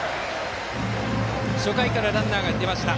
初回からランナーが出ました。